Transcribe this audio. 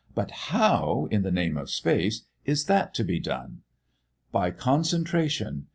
"But how, in the name of space, is that to be done?" "By concentration.